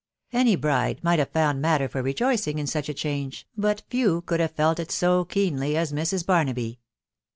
Any bride might have found matter for rejoicing in such a change, but few could hare felt it so keenly as Mrs. Barnaby.